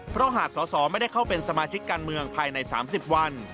เพราะหากสอสอไม่ได้เข้าเป็นสมาชิกการเมืองภายใน๓๐วัน